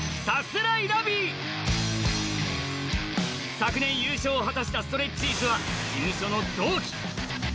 昨年優勝を果たしたストレッチーズは事務所の同期。